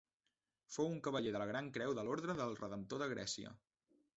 Fou un cavaller de la Gran Creu de l'Ordre del Redemptor de Grècia.